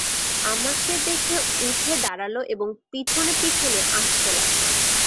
আমাকে দেখে উঠে দাঁড়াল এবং পিছনে-পিছনে আসতে লাগল।